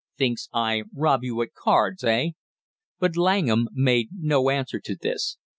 "Thinks I rob you at cards, eh?" But Langham made no answer to this.